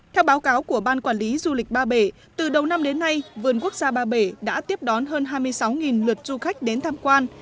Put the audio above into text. theo báo cáo của ban quản lý du lịch ba bể từ đầu năm đến nay vườn quốc gia ba bể đã tiếp đón hơn hai mươi sáu lượt du khách đến tham quan